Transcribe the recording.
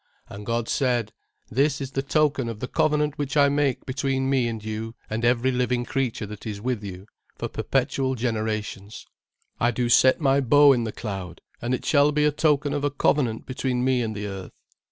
"And God said; This is the token of the covenant which I make between me and you and every living creature that is with you, for perpetual generations; "I do set my bow in the cloud, and it shall be a token of a covenant between me and the earth.